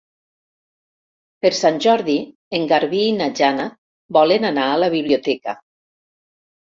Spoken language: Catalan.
Per Sant Jordi en Garbí i na Jana volen anar a la biblioteca.